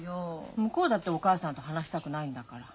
向こうだってお母さんと話したくないんだから。